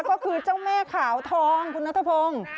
ก็คือเจ้าแม่ขาวทองคุณนัทพงศ์